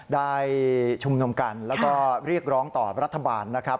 ได้ชุมนุมกันแล้วก็เรียกร้องต่อรัฐบาลนะครับ